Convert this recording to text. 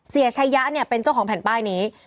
เสียชัยะเป็นเจ้าของแผ่นป้ายนี้